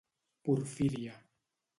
Porfíria.